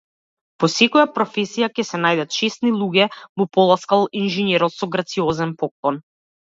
Во секоја професија ќе се најдат чесни луѓе му поласкал инженерот со грациозен поклон.